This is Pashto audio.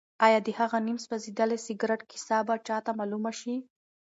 ایا د هغه نیم سوځېدلي سګرټ کیسه به چا ته معلومه شي؟